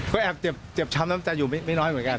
ก็แอบเจ็บช้ำน้ำใจอยู่ไม่น้อยเหมือนกัน